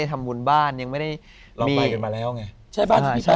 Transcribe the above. ใช่บ้านที่นี่แป๊บหรือ